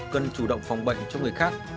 cần chủ động phòng bệnh cho người khác